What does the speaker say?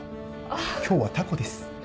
今日はタコです。